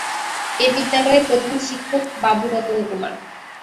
এ বিদ্যালয়ের প্রধান শিক্ষক বাবু রতন কুমার।